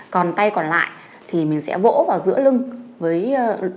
còn tay còn lại thì mình sẽ vỗ vào giữa lưng với vỗ mạnh vào giữa lưng